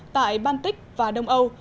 tại baltic và đông âu